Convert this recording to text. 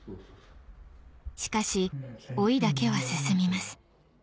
しかし老いだけは進みます